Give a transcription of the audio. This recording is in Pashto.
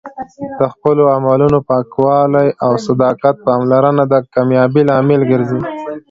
د خپلو عملونو پاکوالی او د صداقت پاملرنه د کامیابۍ لامل ګرځي.